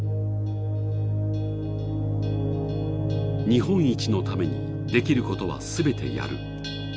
日本一のためにできることは全てやる。